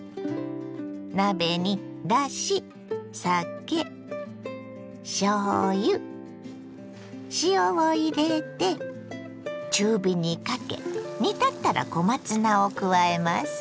鍋にだし酒しょうゆ塩を入れて中火にかけ煮立ったら小松菜を加えます。